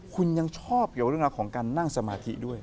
คุณยังชอบเกี่ยวเรื่องราวของการนั่งสมาธิด้วย